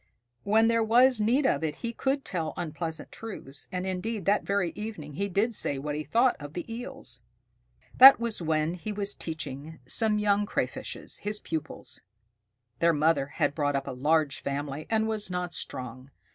When there was need of it, he could tell unpleasant truths, and indeed that very evening he did say what he thought of the Eels. That was when he was teaching some young Crayfishes, his pupils. Their mother had brought up a large family, and was not strong.